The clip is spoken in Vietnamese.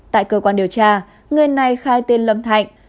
tại cơ quan điều tra người này khai tên lâm thạnh